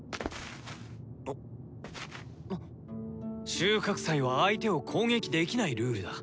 収穫祭は相手を攻撃できないルールだ。